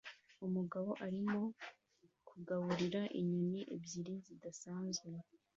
Umugabo arimo kugaburira inyoni ebyiri zidasanzwe